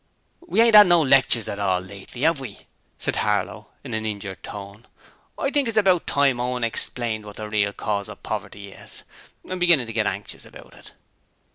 'We ain't 'ad no lectures at all lately, 'ave we?' said Harlow in an injured tone. 'I think it's about time Owen explained what the real cause of poverty is. I'm beginning to get anxious about it.'